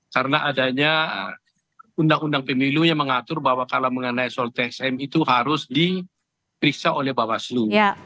karena adanya undang undang pemilu yang mengatur bahwa kalau mengenai soal tsm itu harus diperiksa oleh bawaslu